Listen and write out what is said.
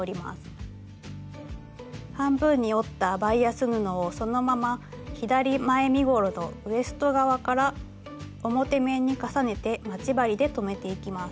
半分に折ったバイアス布をそのまま左前身ごろのウエスト側から表面に重ねて待ち針で留めていきます。